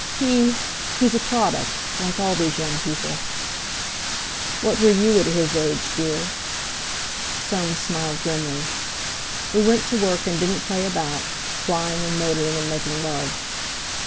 "He—he's a product—like all these young people." "What were you at his age, dear?" Soames smiled grimly. "We went to work, and didn't play about—flying and motoring, and making love."